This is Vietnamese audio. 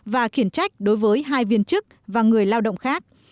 và khiển trách đối với hai viên chức và người lao động khác